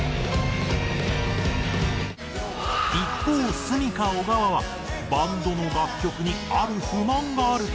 一方ｓｕｍｉｋａ小川はバンドの楽曲にある不満があるという。